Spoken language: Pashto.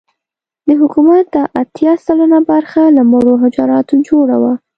د حکومت دا اتيا سلنه برخه له مړو حجراتو جوړه وه.